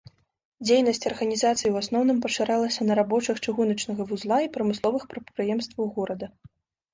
Дзейнасць арганізацыі ў асноўным пашыралася на рабочых чыгуначнага вузла і прамысловых прадпрыемстваў горада.